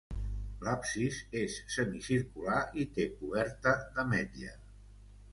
L'absis és semicircular i té coberta d'ametlla.